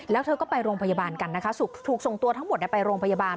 แล้วเธอก็ไปโรงพยาบาลกันนะคะถูกส่งตัวทั้งหมดไปโรงพยาบาล